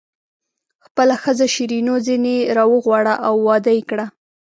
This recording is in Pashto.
خپله ښځه شیرینو ځنې راوغواړه او واده یې کړه.